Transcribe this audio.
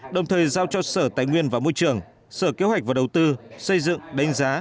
đồng thời giao cho sở tài nguyên và môi trường sở kế hoạch và đầu tư xây dựng đánh giá